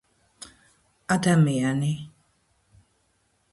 ადამიანი